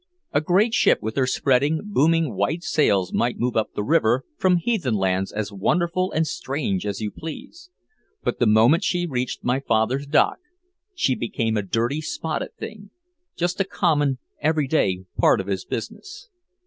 A great ship with her spreading, booming white sails might move up the river from heathen lands as wonderful and strange as you please. But the moment she reached my father's dock she became a dirty, spotted thing, just a common every day part of his business.